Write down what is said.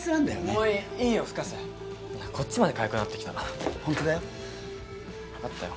もういいよ深瀬こっちまでかゆくなってきたホントだよ分かったよ